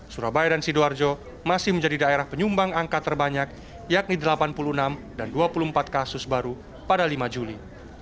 surabaya dan sidoarjo masih menjadi daerah penyumbang angka terbanyak yakni delapan puluh enam dan dua puluh empat kasus baru pada lima juli